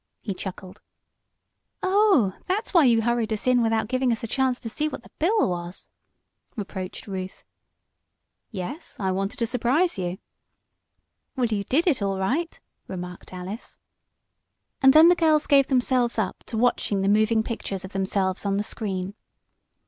he chuckled. "Oh, that's why you hurried us in without giving us a chance to see what the bill was," reproached Ruth. "Yes, I wanted to surprise you." "Well, you did it all right," remarked Alice. And then the girls gave themselves up to watching the moving pictures of themselves on the screen.